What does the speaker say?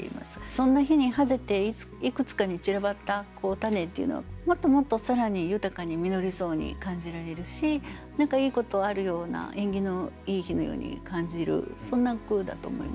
そんな日に爆ぜていくつかに散らばった種っていうのはもっともっと更に豊かに実りそうに感じられるし何かいいことあるような縁起のいい日のように感じるそんな句だと思います。